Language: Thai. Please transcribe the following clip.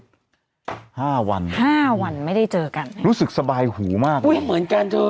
ห้าวันห้าวันไม่ได้เจอกันรู้สึกสบายหูมากอุ้ยเหมือนกันเธอ